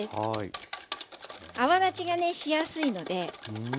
泡立ちがねしやすいので。